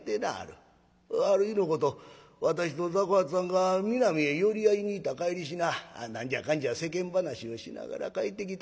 ある日のこと私と雑穀八さんがミナミへ寄り合いに行った帰りしな何じゃかんじゃ世間話をしながら帰ってきた。